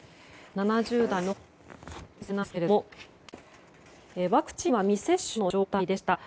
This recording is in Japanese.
７０代の男性なんですがワクチンは未接種の状態でした。